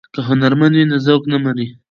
که هنرمند وي نو ذوق نه مري.